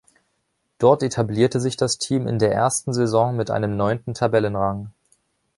Dort etablierte sich das Team in der ersten Saison mit einem neunten Tabellenrang.